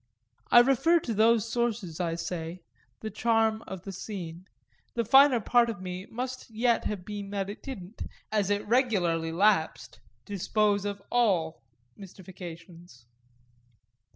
I refer to those sources, I say, the charm of the scene, the finer part of which must yet have been that it didn't, as it regularly lapsed, dispose of all mystifications.